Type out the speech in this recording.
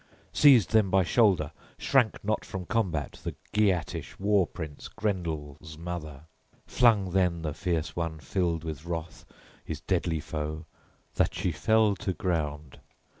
Seized then by shoulder, shrank not from combat, the Geatish war prince Grendel's mother. Flung then the fierce one, filled with wrath, his deadly foe, that she fell to ground.